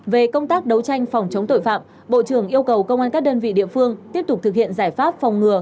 về công tác đấu tranh phòng chống tội phạm bộ trưởng yêu cầu công an các đơn vị địa phương tiếp tục thực hiện giải pháp phòng ngừa